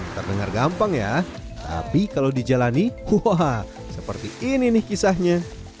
terdengar gampang ya tapi kalau dijalani seperti ini nih kisahnya